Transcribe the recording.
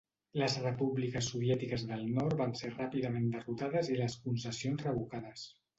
Les repúbliques soviètiques del nord van ser ràpidament derrotades i les concessions revocades.